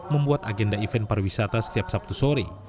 membuat agenda event pariwisata setiap sabtu sore